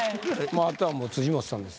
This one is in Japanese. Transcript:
あとはもう辻元さんです